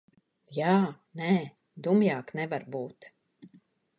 Jā, nē. Dumjāk nevar būt.